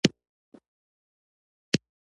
دښته تل حیرانونکې وي.